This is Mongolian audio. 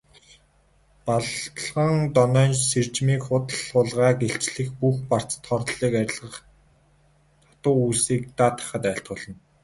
Балгандонойн сэржмийг худал хулгайг илчлэх, бүх барцад хорлолыг арилгах, хатуу үйлсийг даатгахад айлтгуулна.